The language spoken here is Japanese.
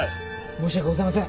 申し訳ございません。